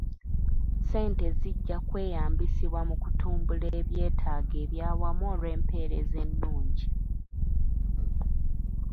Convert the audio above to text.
Ssente zijja kweyambisibwa mu kutumbula ebyetaago ebyawamu olw'empeereza ennungi.